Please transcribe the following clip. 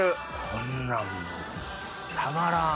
こんなんもうたまらん！